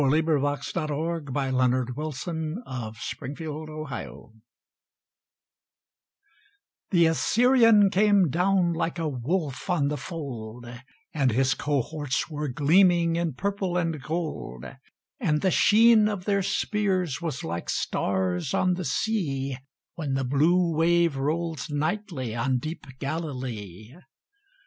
WILLIAM BLAKE. THE DESTRUCTION OF SENNACHERIB The Assyrian came down like a wolf on the fold, And his cohorts were gleaming in purple and gold; And the sheen of their spears was like stars on the sea, When the blue wave rolls nightly on deep Galilee.